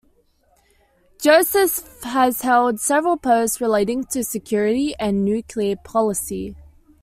Joseph has held several posts relating to security and nuclear policy.